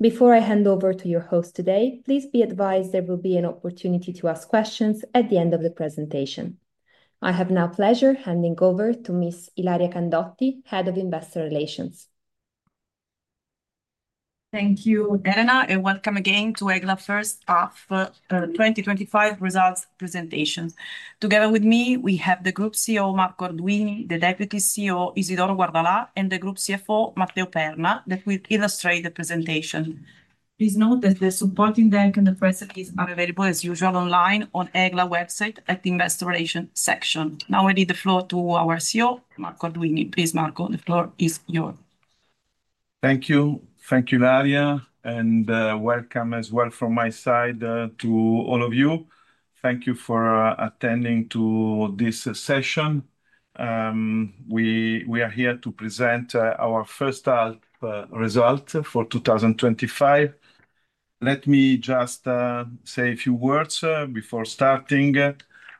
Before I hand over to your host today, please be advised there will be an opportunity to ask questions at the end of the presentation. I have now the pleasure of handing over to Ms. Ilaria Candotti, Head of Investor Relations. Thank you, Elena, and welcome again to EGLA first 2025 results presentation. Together with me, we have the Group CEO, Marco Arduini, the Deputy CEO, Isidoro Guardalà, and the Group CFO, Matteo Perna, who will illustrate the presentation. Please note that the supporting deck and the press release are available as usual online on EGLA website, at the Investor Relations section. Now I leave the floor to our CEO, Marco Arduini. Please, Marco, the floor is yours. Thank you. Thank you, Ilaria, and welcome as well from my side to all of you. Thank you for attending to this session. We are here to present our first half results for 2025. Let me just say a few words before starting.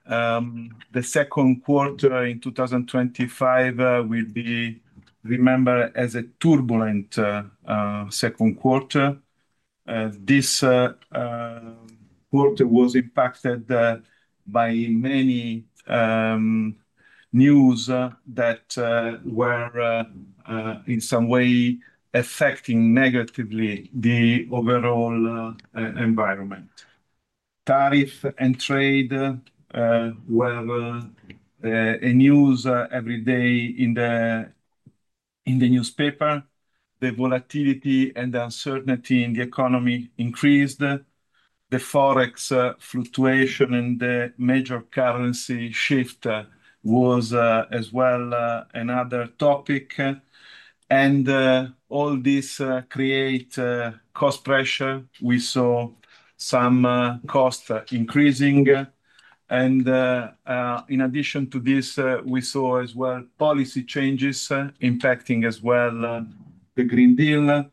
The second quarter in 2025 will be remembered as a turbulent second quarter. This quarter was impacted by many news that were, in some way, affecting negatively the overall environment. Tariffs and trade were a news every day in the newspaper. The volatility and the uncertainty in the economy increased. The forex fluctuation and the major currency shift was as well another topic. All this created cost pressure. We saw some costs increasing. In addition to this, we saw as well policy changes impacting as well the Green Deal.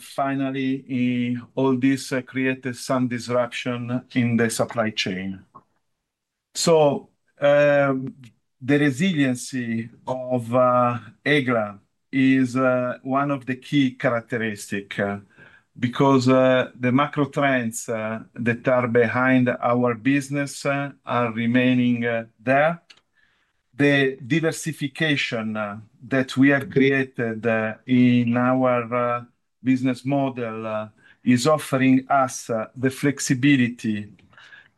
Finally, all this created some disruption in the supply chain. The resiliency of EGLA is one of the key characteristics because the macro trends that are behind our business are remaining there. The diversification that we have created in our business model is offering us the flexibility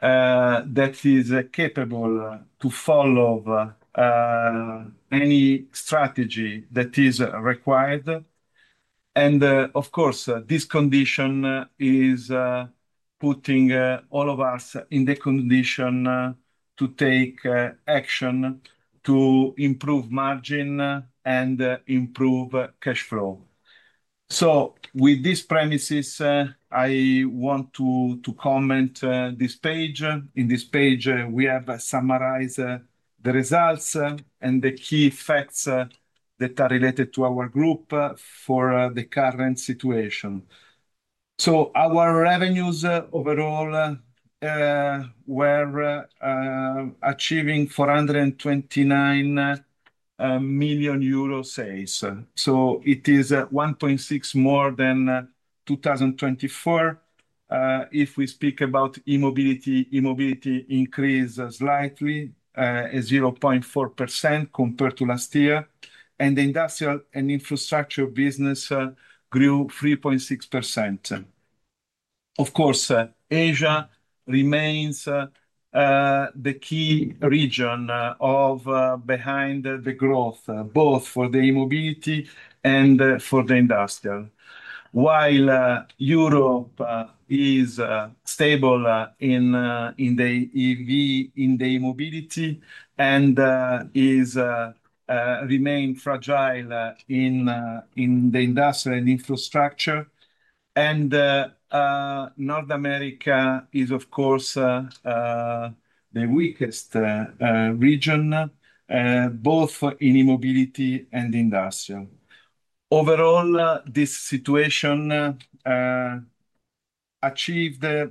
that is capable to follow any strategy that is required. Of course, this condition is putting all of us in the condition to take action to improve margin and improve cash flow. With these premises, I want to comment this page. In this page, we have summarized the results and the key facts that are related to our group for the current situation. Our revenues overall were achieving EUR 429 million sales. It is 1.6% more than 2024. If we speak about e-mobility, e-mobility increased slightly at 0.4% compared to last year. The industrial and infrastructure business grew 3.6%. Asia remains the key region behind the growth, both for the e-mobility and for the industrial. Europe is stable in the e-mobility and remains fragile in the industrial and infrastructure, and North America is the weakest region, both in e-mobility and industrial. Overall, this situation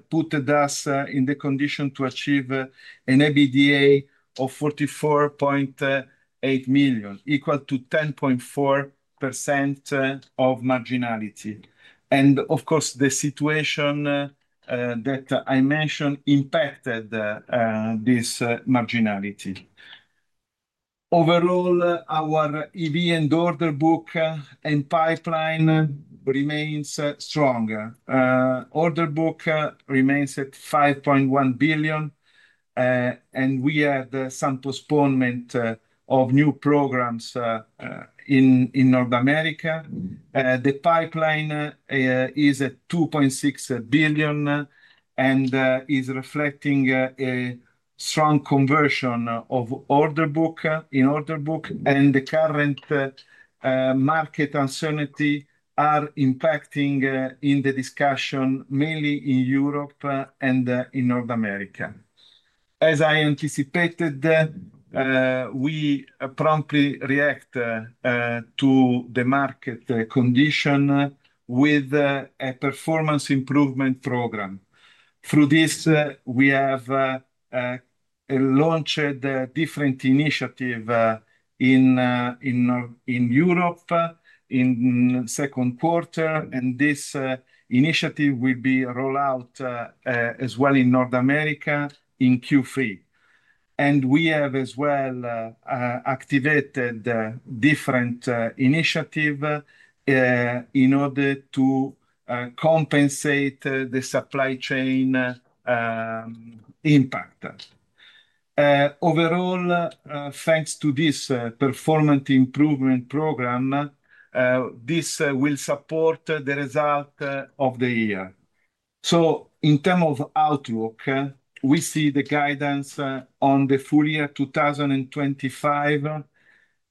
put us in the condition to achieve an EBITDA of 44.8 million, equal to 10.4% of marginality. The situation that I mentioned impacted this marginality. Overall, our EV and order book and pipeline remains strong. Order book remains at 5.1 billion, and we had some postponement of new programs in North America. The pipeline is at 2.6 billion and is reflecting a strong conversion of order book in order book, and the current market uncertainty is impacting the discussion mainly in Europe and in North America. As I anticipated, we promptly reacted to the market condition with a performance improvement program. Through this, we have launched a different initiative in Europe in the second quarter, and this initiative will be rolled out as well in North America in Q3. We have as well activated a different initiative in order to compensate the supply chain impact. Overall, thanks to this performance improvement program, this will support the result of the year. In terms of outlook, we see the guidance on the full-year 2025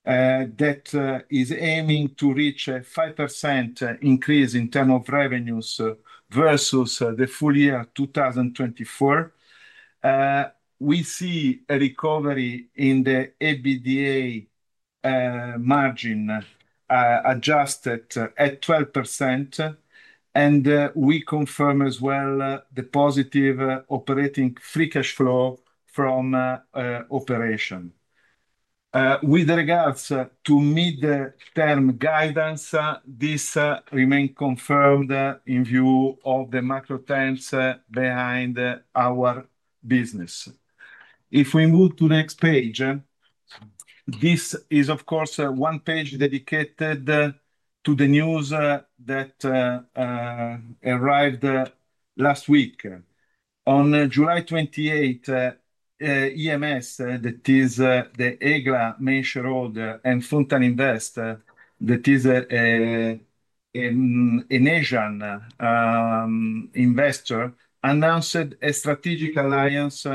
that is aiming to reach a 5% increase in terms of revenues versus the full-year 2024. We see a recovery in the EBITDA margin adjusted at 12%, and we confirm as well the positive operating free cash flow from operation. With regards to mid-term guidance, this remains confirmed in view of the macro trends behind our business. If we move to the next page, this is, of course, one page dedicated to the news that arrived last week. On July 28, EMS, that is the EGLA and FountainVest, that is an Asian investor, announced a strategic alliance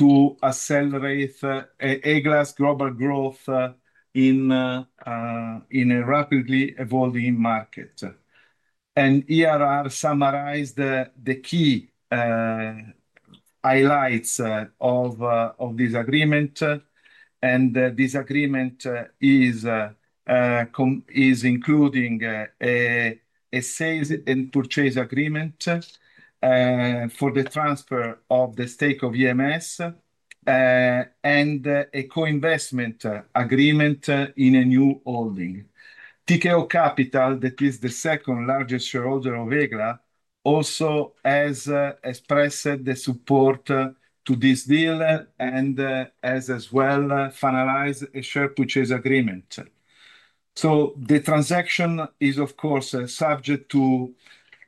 to accelerate EGLA's global growth in a rapidly evolving market. ERR summarized the key highlights of this agreement, and this agreement is including a sales and purchase agreement for the transfer of the stake of EMS and a co-investment agreement in a new holding. Tikehau Capital, that is the second largest shareholder of EGLA also has expressed the support to this deal and has as well finalized a share purchase agreement. The transaction is, of course, subject to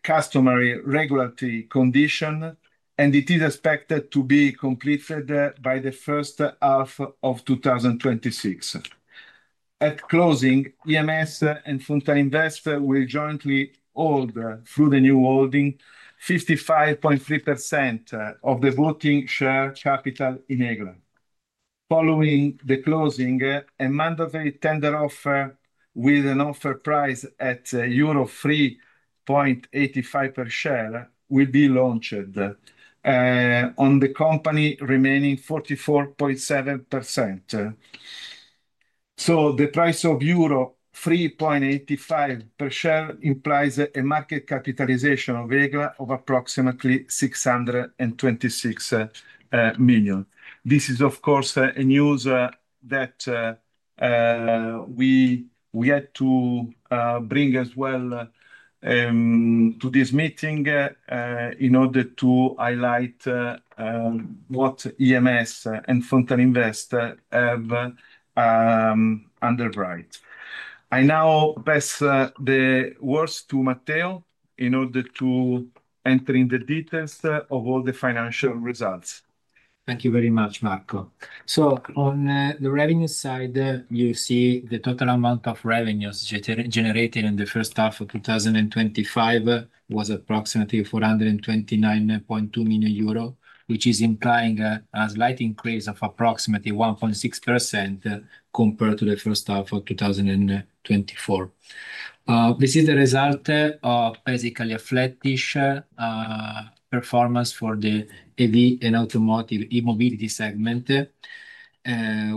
customary regulatory conditions, and it is expected to be completed by the first half of 2026. At closing, EMS and FountainVest will jointly hold, through the new holding, 55.3% of the voting share capital in EGLA. Following the closing, a mandatory tender offer with an offer price at euro 3.85 per share will be launched on the company remaining 44.7%. The price of euro 3.85 per share implies a market capitalization of EGLA of approximately 626 million. This is, of course, a news that we had to bring as well to this meeting in order to highlight what EMS and FountainVest have underwrite. I now pass the words to Matteo in order to enter in the details of all the financial results. Thank you very much, Marco. On the revenue side, you see the total amount of revenues generated in the first half of 2025 was approximately 429.2 million euro, which is implying a slight increase of approximately 1.6% compared to the first half of 2024. This is the result of basically a flattish performance for the EV and Automotive e-mobility segment,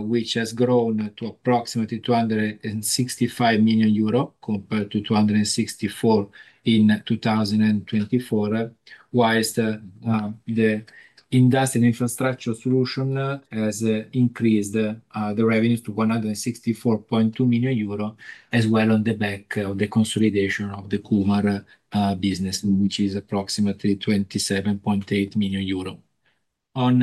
which has grown to approximately 265 million euro compared to 264 million in 2024, whilst the Industrial infrastructure solution has increased the revenues to 164.2 million euro as well on the back of the consolidation of the Kumar business, which is approximately 27.8 million euro. On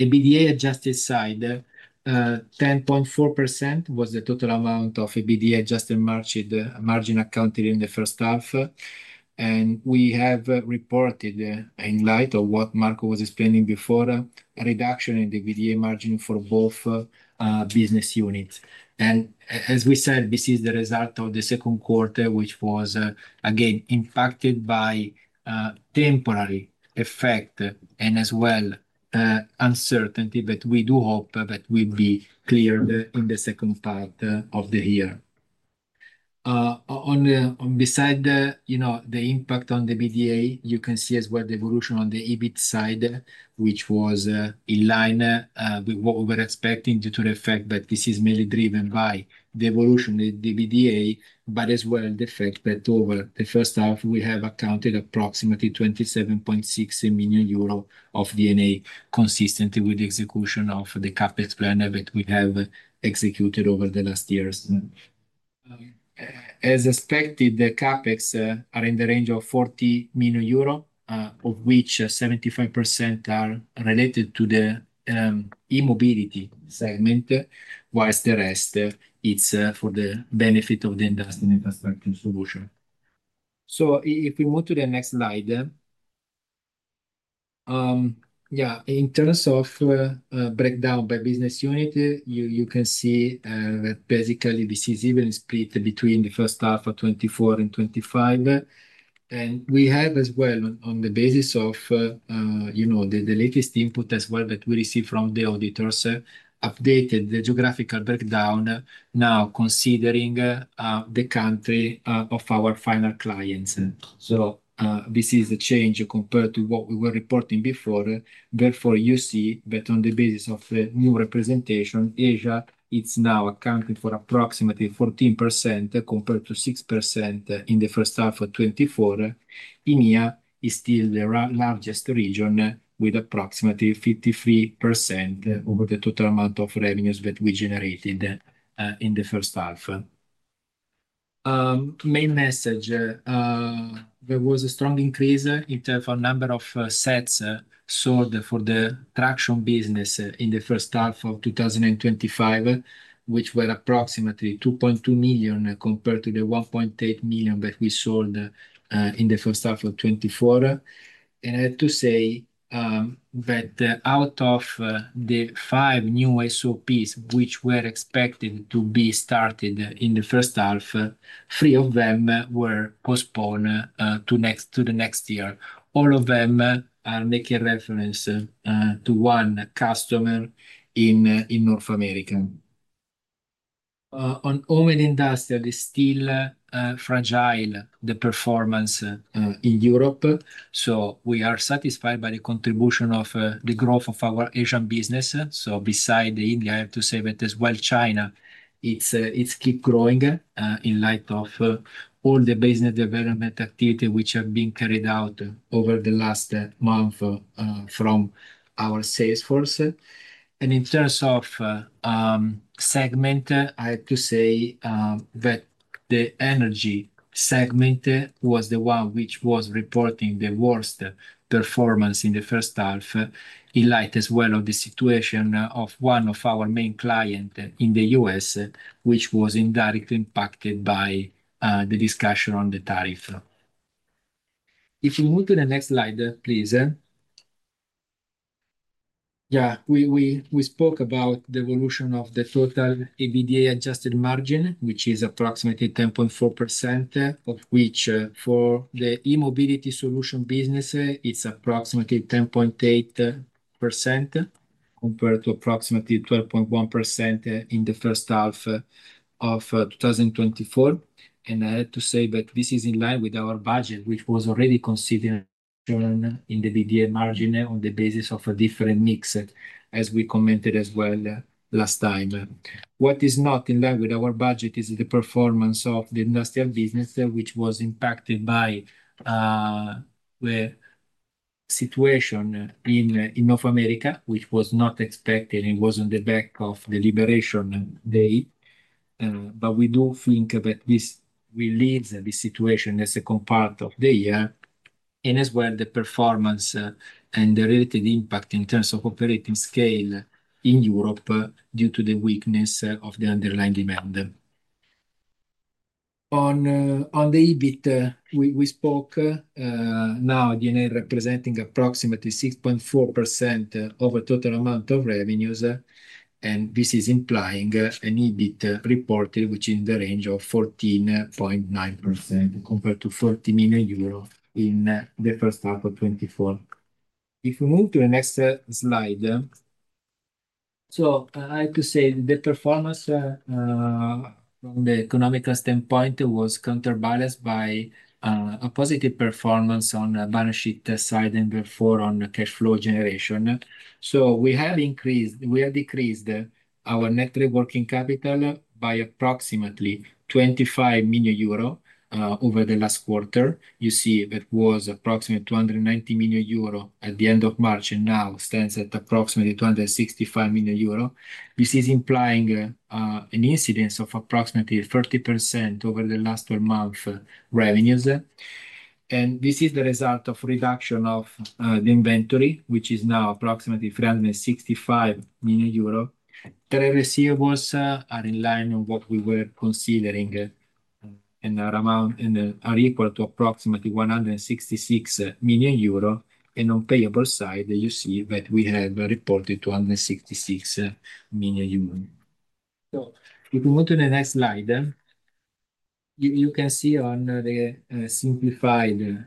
EBITDA adjusted side, 10.4% was the total amount of EBITDA adjusted margin accounted in the first half. We have reported, in light of what Marco was explaining before, a reduction in the EBITDA margin for both business units. As we said, this is the result of the second quarter, which was again impacted by a temporary effect and as well uncertainty that we do hope will be cleared in the second part of the year. Besides the impact on the EBITDA, you can see as well the evolution on the EBIT side, which was in line with what we were expecting due to the fact that this is mainly driven by the evolution of the EBITDA, but as well the fact that over the first half, we have accounted approximately 27.6 million euro of D&A consistent with the execution of the CapEx plan that we have executed over the last years. As expected, the CapEx are in the range of 40 million euro, of which 75% are related to the e-mobility segment, whilst the rest is for the benefit of the Industrial infrastructure solution. If we move to the next slide, in terms of breakdown by business unit, you can see that basically this is even split between the first half of 2024 and 2025. We have as well, on the basis of the latest input that we receive from the auditors, updated the geographical breakdown now considering the country of our final clients. This is a change compared to what we were reporting before. Therefore, you see that on the basis of new representation, Asia is now accounted for approximately 14% compared to 6% in the first half of 2024. India is still the largest region with approximately 53% over the total amount of revenues that we generated in the first half. Main message, there was a strong increase in terms of the number of sets sold for the traction business in the first half of 2025, which were approximately 2.2 million compared to the 1.8 million that we sold in the first half of 2024. I have to say that out of the five new SOPs which were expected to be started in the first half, three of them were postponed to the next year. All of them are making reference to one customer in North America. On oil industry, it is still fragile, the performance in Europe. We are satisfied by the contribution of the growth of our Asian business. Besides India, I have to say that as well China, it keeps growing in light of all the business development activity which have been carried out over the last month from our sales force. In terms of segment, I have to say that the energy segment was the one which was reporting the worst performance in the first half in light as well of the situation of one of our main clients in the U.S., which was indirectly impacted by the discussion on the tariff. If you move to the next slide, please. Yeah, we spoke about the evolution of the total EBITDA adjusted margin, which is approximately 10.4%, of which for the e-mobility solution business, it's approximately 10.8% compared to approximately 12.1% in the first half of 2024. I have to say that this is in line with our budget, which was already considered in the EBITDA margin on the basis of a different mix, as we commented as well last time. What is not in line with our budget is the performance of the industrial business, which was impacted by the situation in North America, which was not expected and was on the back of the Liberation Day. We do think that this relieves the situation as a component of the year. As well, the performance and the relative impact in terms of operating scale in Europe due to the weakness of the underlying demand. On the EBIT, we spoke now DNA representing approximately 6.4% of the total amount of revenues. This is implying an EBIT reported which is in the range of 14.9% compared to 40 million euro in the first half of 2024. If we move to the next slide, I have to say that the performance from the economical standpoint was counterbalanced by a positive performance on the balance sheet side and therefore on the cash flow generation. We have decreased our networking capital by approximately 25 million euro over the last quarter. You see that it was approximately 290 million euro at the end of March and now stands at approximately 265 million euro. This is implying an incidence of approximately 30% over the last 12 months' revenues. This is the result of a reduction of the inventory, which is now approximately 365 million euros. The receivables are in line with what we were considering and are equal to approximately 166 million euro. On the payable side, you see that we have reported 266 million euro. If we move to the next slide, you can see on the simplified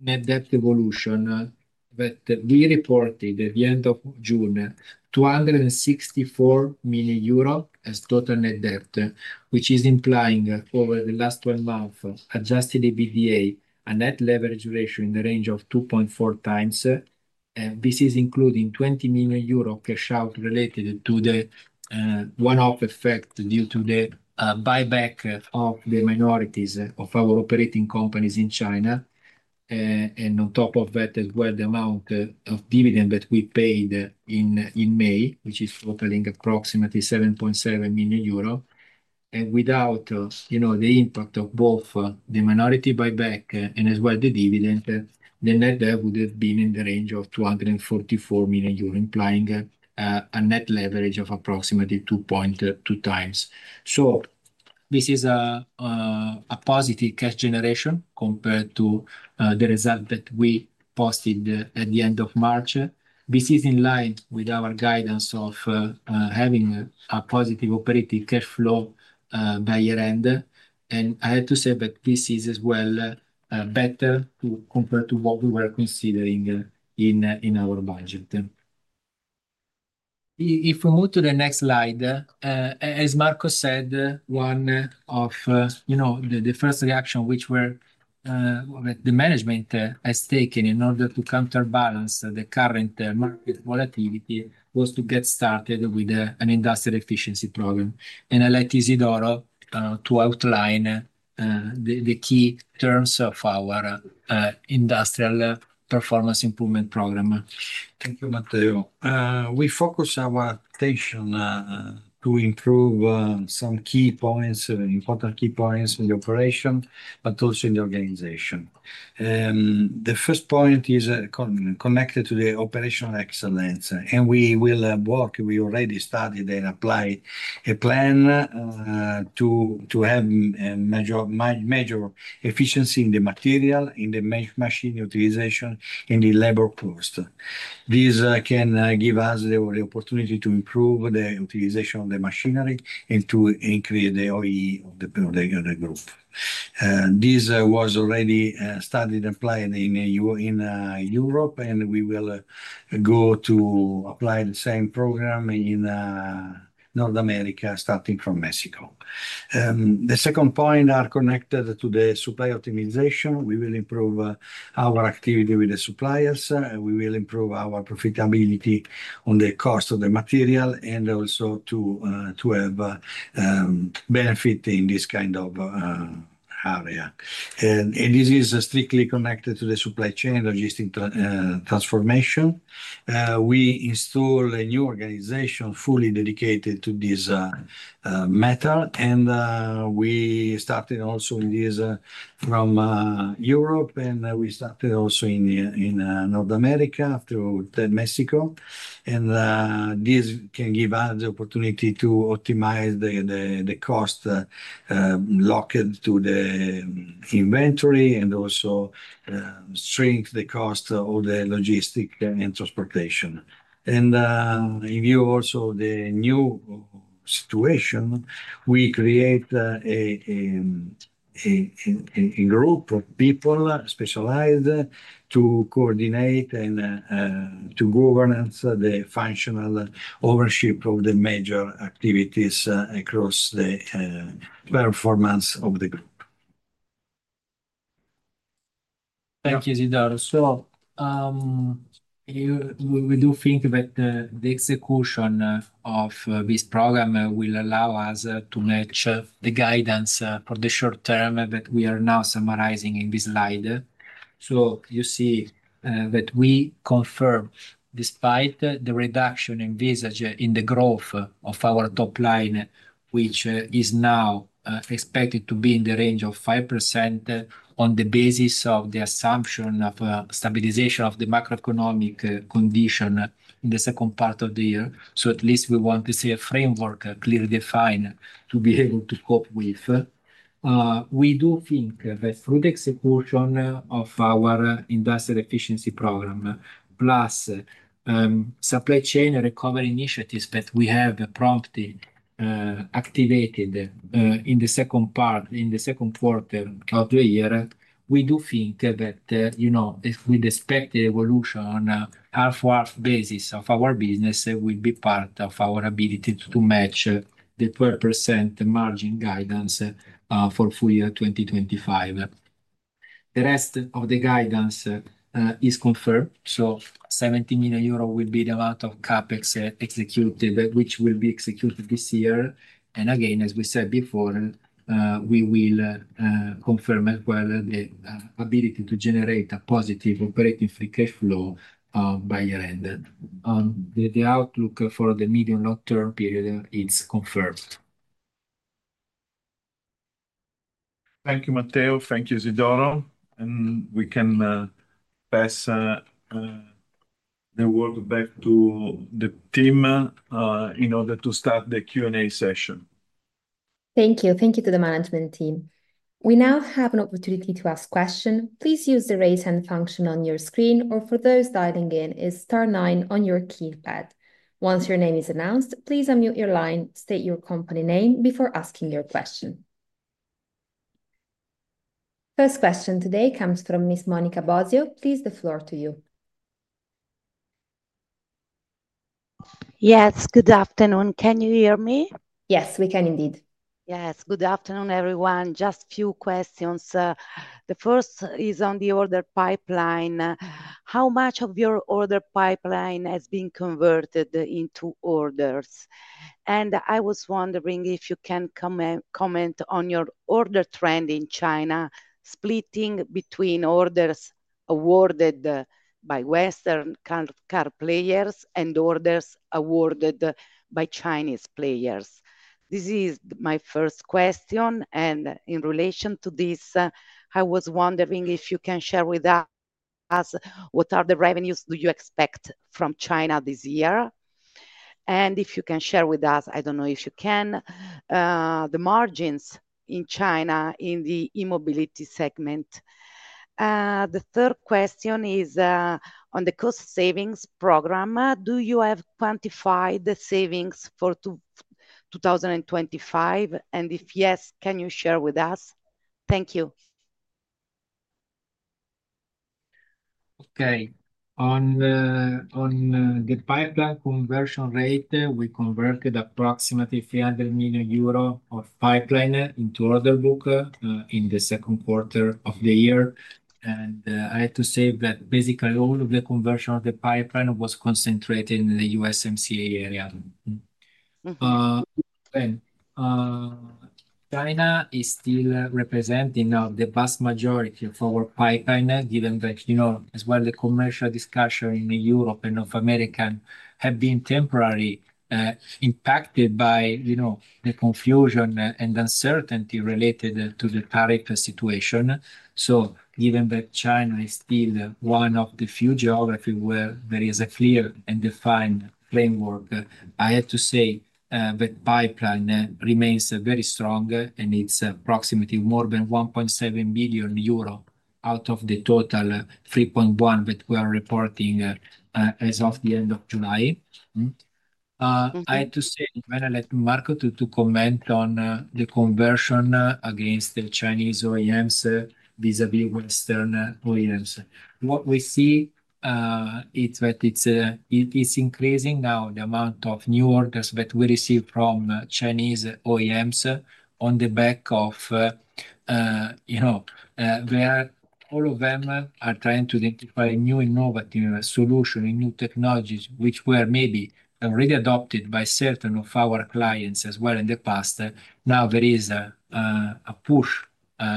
net debt evolution that we reported at the end of June 264 million euro as total net debt, which is implying over the last 12 months adjusted EBITDA and net leverage ratio in the range of 2.4x. This is including 20 million euro cash out related to the one-off effect due to the buyback of the minorities of our operating companies in China. On top of that as well, the amount of dividend that we paid in May, which is totaling approximately 7.7 million euro. Without the impact of both the minority buyback and the dividend, the net debt would have been in the range of 244 million euro, implying a net leverage of approximately 2.2x. This is a positive cash generation compared to the result that we posted at the end of March. This is in line with our guidance of having a positive operating cash flow by year-end. I have to say that this is as well better compared to what we were considering in our budget. If we move to the next slide, as Marco said, one of the first reactions which the management has taken in order to counterbalance the current market volatility was to get started with an industrial efficiency program. I'll let Isidoro Guardala outline the key terms of our industrial performance improvement program. Thank you, Matteo. We focus our attention to improve some key points, important key points in the operation, but also in the organization. The first point is connected to the operational excellence. We will work, we already started and applied a plan to have a major efficiency in the material, in the machine utilization, and in the labor cost. This can give us the opportunity to improve the utilization of the machinery and to increase the OEE of the product group. This was already started applying in Europe, and we will go to apply the same program in North America, starting from Mexico. The second point is connected to the supply optimization. We will improve our activity with the suppliers. We will improve our profitability on the cost of the material and also to have benefits in this kind of area. This is strictly connected to the supply chain logistics transformation. We installed a new organization fully dedicated to this matter. We started also this from Europe, and we started also in North America through Mexico. This can give us the opportunity to optimize the costs locked to the inventory and also shrink the costs of the logistics and transportation. In view also of the new situation, we create a group of people specialized to coordinate and to governance the functional ownership of the major activities across the performance of the group. Thank you, Isidoro. We do think that the execution of this program will allow us to match the guidance for the short term that we are now summarizing in this slide. You see that we confirm, despite the reduction envisaged in the growth of our top line, which is now expected to be in the range of 5% on the basis of the assumption of a stabilization of the macroeconomic condition in the second part of the year. At least we want to see a framework clearly defined to be able to cope with. We do think that through the execution of our industrial efficiency program, plus supply chain recovery initiatives that we have promptly activated in the second quarter of the year, we do think that, with the expected evolution on a half-to-half basis of our business, it will be part of our ability to match the 12% margin guidance for full-year 2025. The rest of the guidance is confirmed. 70 million euro will be the amount of CapEx executed, which will be executed this year. As we said before, we will confirm as well the ability to generate a positive operating free cash flow by year-end. The outlook for the medium-long-term period is confirmed. Thank you, Matteo. Thank you, Isidoro. We can pass the word back to the team in order to start the Q&A session. Thank you. Thank you to the management team. We now have an opportunity to ask questions. Please use the raise hand function on your screen, or for those dialing in, press star nine on your keypad. Once your name is announced, please unmute your line and state your company name before asking your question. First question today comes from Ms. Monica Bozzio. Please, the floor to you. Yes, good afternoon. Can you hear me? Yes, we can indeed. Yes, good afternoon, everyone. Just a few questions. The first is on the order pipeline. How much of your order pipeline has been converted into orders? I was wondering if you can comment on your order trend in China, splitting between orders awarded by Western car players and orders awarded by Chinese players. This is my first question. In relation to this, I was wondering if you can share with us what are the revenues you expect from China this year? If you can share with us, I don't know if you can, the margins in China in the e-mobility segment. The third question is on the cost savings program. Do you have quantified savings for 2025? If yes, can you share with us? Thank you. Okay. On the pipeline conversion rate, we converted approximately 300 million euro of pipeline into order book in the second quarter of the year. I have to say that basically all of the conversion of the pipeline was concentrated in the USMCA area. China is still representing now the vast majority of our pipeline, given that, as well, the commercial discussion in Europe and North America have been temporarily impacted by the confusion and uncertainty related to the tariff situation. Given that China is still one of the few geographies where there is a clear and defined framework, I have to say that the pipeline remains very strong and it's approximately more than 1.7 billion euro out of the total 3.1 billion that we are reporting as of the end of July. I have to say, and I'll let Marco comment on the conversion against the Chinese OEMs vis-à-vis Western OEMs. What we see is that it's increasing now the amount of new orders that we receive from Chinese OEMs on the back of where all of them are trying to identify new innovative solutions and new technologies which were maybe already adopted by certain of our clients as well in the past. Now there is a push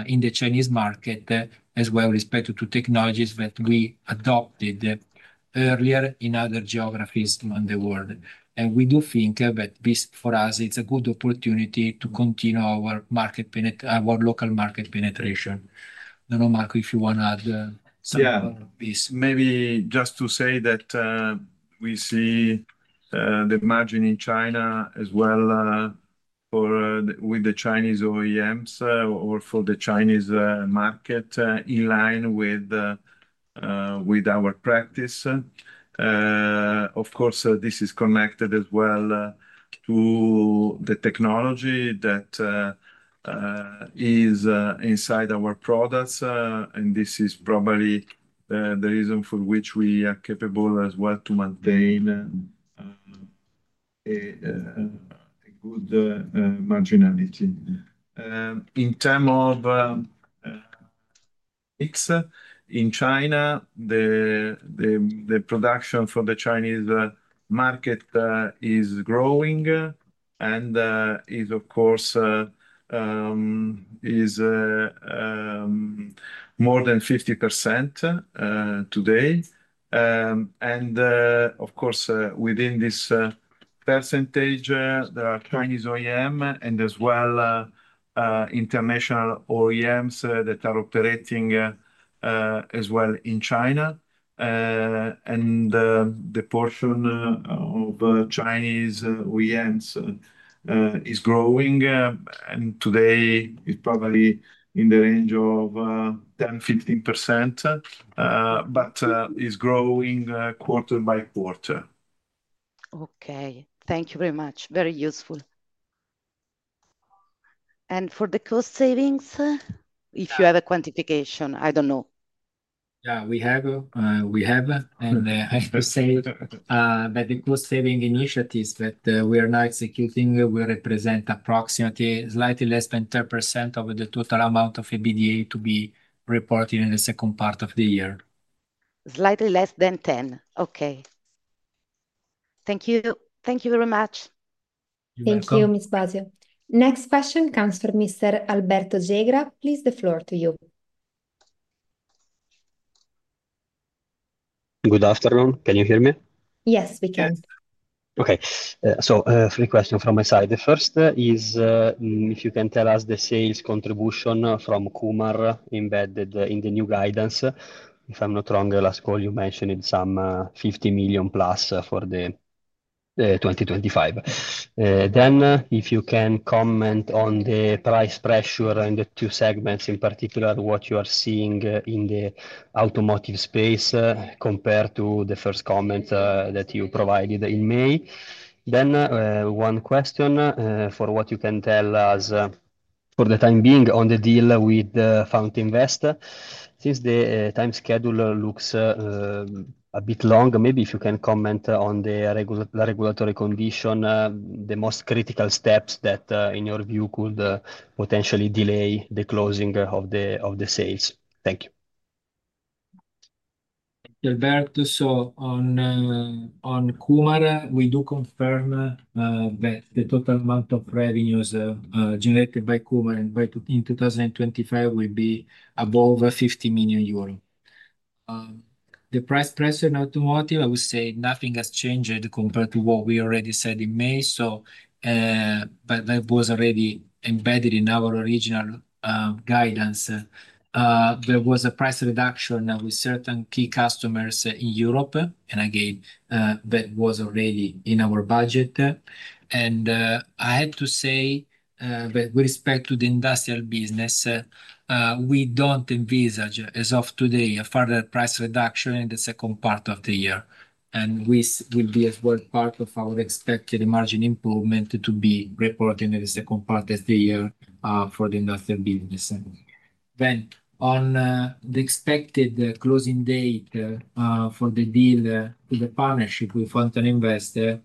in the Chinese market as well with respect to technologies that we adopted earlier in other geographies around the world. We do think that this, for us, is a good opportunity to continue our local market penetration. I don't know, Marco, if you want to add something on this. Maybe just to say that we see the margin in China as well with the Chinese OEMs or for the Chinese market in line with our practice. This is connected as well to the technology that is inside our products. This is probably the reason for which we are capable as well to maintain a good marginality. In terms of X in China, the production for the Chinese market is growing and is, of course, more than 50% today. Within this percentage, there are Chinese OEMs and international OEMs that are operating as well in China. The portion of Chinese OEMs is growing. Today, it's probably in the range of 10%, 15%, but it's growing quarter by quarter. Thank you very much. Very useful. For the cost savings, if you have a quantification, I don't know. We have, and I have to say that the cost saving initiatives that we are now executing will represent approximately slightly less than 10% of the total amount of EBITDA to be reported in the second part of the year. Slightly less than 10. Okay. Thank you. Thank you very much. Thank you, Ms. Bozzio. Next question comes from Mr. Alberto Zegra. Please, the floor to you. Good afternoon. Can you hear me? Yes, we can. Okay. Three questions from my side. The first is if you can tell us the sales contribution from Kumar embedded in the new guidance. If I'm not wrong, last call you mentioned it's some 50+ million for 2025. If you can comment on the price pressure in the two segments, in particular what you are seeing in the automotive space compared to the first comment that you provided in May. One question for what you can tell us for the time being on the deal with FountainVest. Since the time schedule looks a bit long, maybe if you can comment on the regulatory condition, the most critical steps that in your view could potentially delay the closing of the sales. Thank you. Thank you, Alberto. On Kumar, we do confirm that the total amount of revenues generated by Kumar in 2025 will be above 50 million euro. The price pressure in automotive, I would say nothing has changed compared to what we already said in May. That was already embedded in our original guidance. There was a price reduction with certain key customers in Europe, and that was already in our budget. I have to say that with respect to the industrial business, we don't envisage as of today a further price reduction in the second part of the year. This will be as well part of our expected margin improvement to be reported in the second part of the year for the industrial business. On the expected closing date for the deal with the partnership with FountainVest,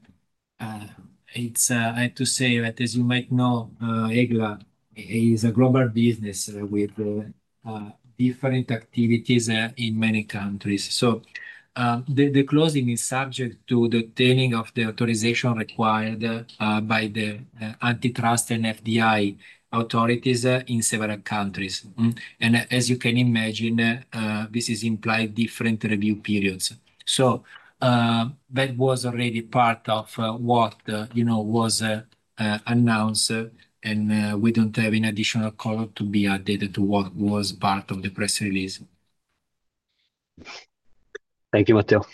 I have to say that as you might know, EGLA is a global business with different activities in many countries. The closing is subject to the attaining of the authorization required by the Antitrust and FDI authorities in several countries. As you can imagine, this is implied in different review periods. That was already part of what was announced, and we don't have any additional color to be added to what was part of the press release. Thank you, Matteo.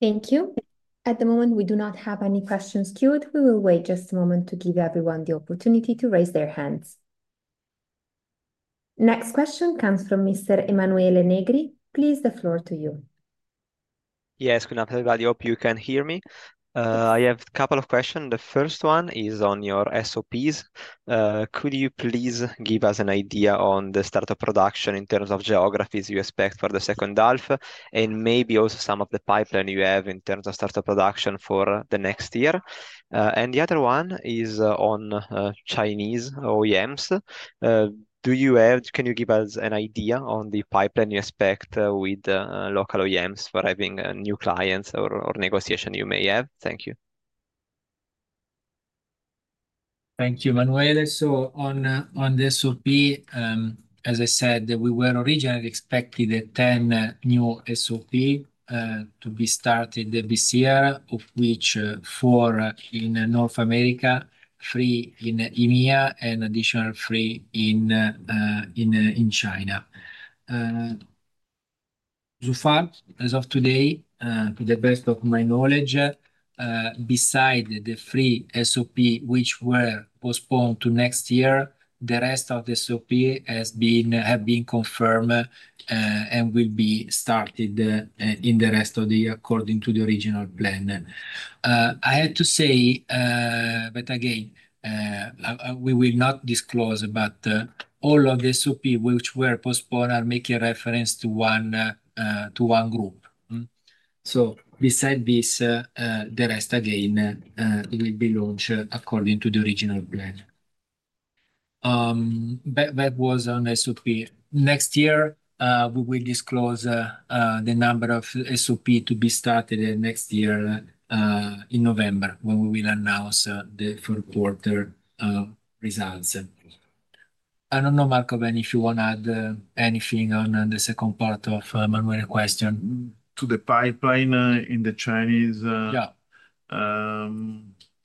Thank you. At the moment, we do not have any questions queued. We will wait just a moment to give everyone the opportunity to raise their hands. Next question comes from Mr. Emanuele Negri. Please, the floor to you. Yes, good afternoon, everybody. I hope you can hear me. I have a couple of questions. The first one is on your SOPs. Could you please give us an idea on the start-up production in terms of geographies you expect for the second half, and maybe also some of the pipeline you have in terms of start-up production for the next year? The other one is on Chinese OEMs. Can you give us an idea on the pipeline you expect with local OEMs for having new clients or negotiations you may have? Thank you. Thank you, Manuele. On the SOP, as I said, we were originally expecting the 10 new SOPs to be started this year, of which four in North America, three in EMEA, and an additional three in China. As of today, to the best of my knowledge, besides the three SOPs which were postponed to next year, the rest of the SOPs have been confirmed and will be started in the rest of the year according to the original plan. I have to say that we will not disclose, but all of the SOPs which were postponed are making reference to one group. Besides this, the rest will be launched according to the original plan. That was on SOP. Next year, we will disclose the number of SOPs to be started next year in November when we will announce the fourth quarter results. I don't know, Marco, if you want to add anything on the second part of Emmanuele's question. To the pipeline in China, yeah,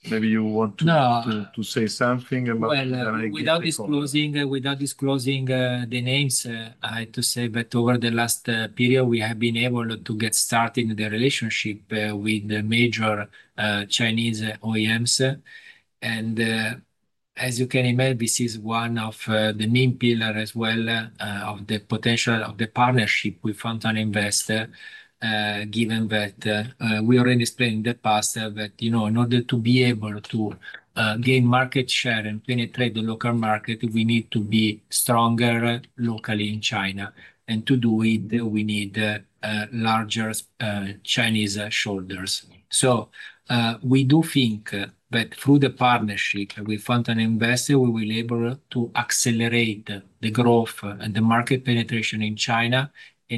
maybe you want to say something about. Without disclosing the names, I have to say that over the last period, we have been able to get started in the relationship with the major Chinese OEMs. As you can imagine, this is one of the main pillars as well of the potential of the partnership with FountainVest, given that we already explained in the past that, you know, in order to be able to gain market share and penetrate the local market, we need to be stronger locally in China. To do it, we need larger Chinese shoulders. We do think that through the partnership with FountainVest, we will be able to accelerate the growth and the market penetration in China,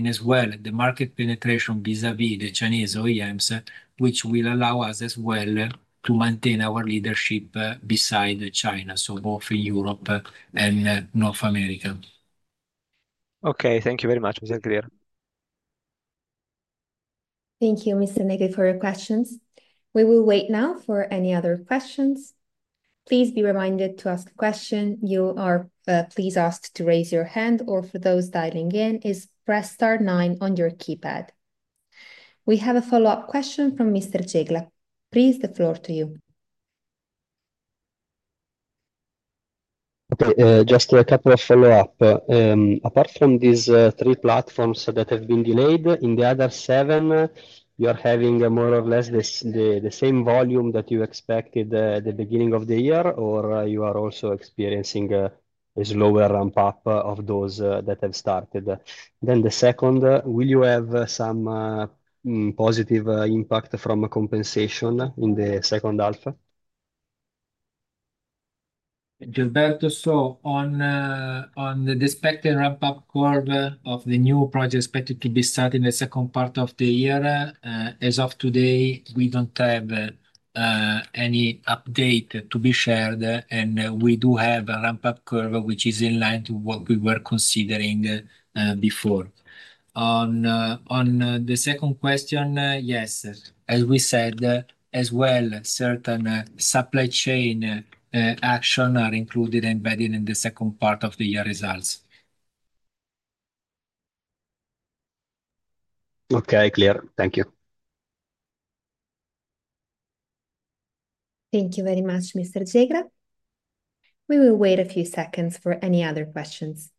as well as the market penetration vis-à-vis the Chinese OEMs, which will allow us as well to maintain our leadership beside China, both in Europe and North America. Okay, thank you very much. We are clear. Thank you, Mr. Negri, for your questions. We will wait now for any other questions. Please be reminded to ask a question. You are please asked to raise your hand, or for those dialing in, press star nine on your keypad. We have a follow-up question from Mr. Zegra. Please, the floor to you. Okay. Just a couple of summaries. Apart from these three platforms that have been delayed, in the other seven, you are having more or less the same volume that you expected at the beginning of the year, or you are also experiencing a slower ramp-up of those that have started? The second, will you have some positive impact from compensation in the second half? On the expected ramp-up curve of the new projects expected to be started in the second part of the year, as of today, we don't have any update to be shared, and we do have a ramp-up curve which is in line with what we were considering before. On the second question, yes, as we said as well, certain supply chain actions are included, embedded in the second part of the year results. Okay. Clear. Thank you. Thank you very much, Mr. Zegra. We will wait a few seconds for any other questions.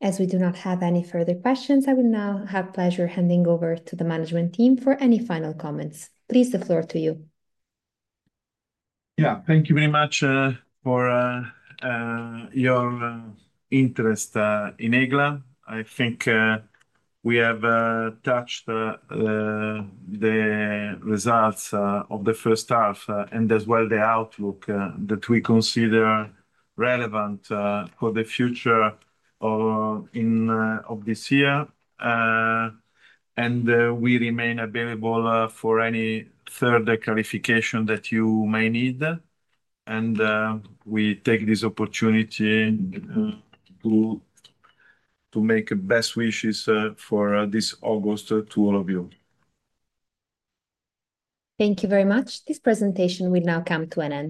As we do not have any further questions, I will now have the pleasure of handing over to the management team for any final comments. Please, the floor to you. Thank you very much for your interest in EGLA. I think we have touched the results of the first half and as well the outlook that we consider relevant for the future of this year. We remain available for any third clarification that you may need. We take this opportunity to make best wishes for this August to all of you. Thank you very much. This presentation will now come to an end.